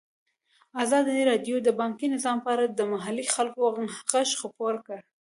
ازادي راډیو د بانکي نظام په اړه د محلي خلکو غږ خپور کړی.